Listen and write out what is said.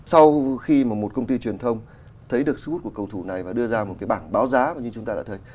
sau khi mà một công ty truyền thông thấy được sức hút của cầu thủ này và đưa ra một cái bảng báo giá mà như chúng ta đã thấy